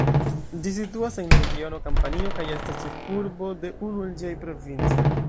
Ĝi situas en la regiono Kampanio kaj estas ĉefurbo de unu el ĝiaj provincoj.